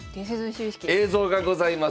映像がございます。